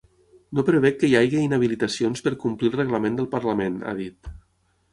No preveig que hi hagi inhabilitacions per complir el reglament del parlament, ha dit.